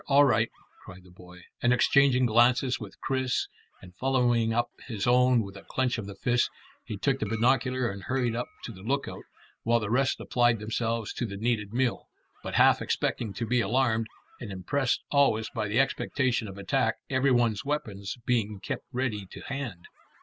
All right," cried the boy, and exchanging glances with Chris and following up his own with a clench of the fist, he took the binocular and hurried up to the lookout, while the rest applied themselves to the needed meal, but half expecting to be alarmed, and impressed always by the expectation of attack, every one's weapons being kept ready to hand.